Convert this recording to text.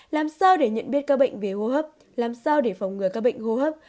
làm sao để nhận biết các bệnh về hô hấp làm sao để phòng ngừa các bệnh hô hấp